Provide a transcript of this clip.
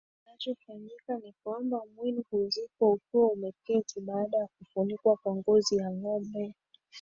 Kinachofanyika ni kwamba mwili huzikwa ukiwa umeketi baada ya kufunikwa kwa ngozi ya ngombe